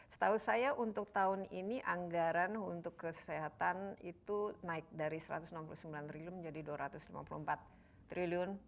setahu saya untuk tahun ini anggaran untuk kesehatan itu naik dari rp satu ratus enam puluh sembilan triliun menjadi rp dua ratus lima puluh empat triliun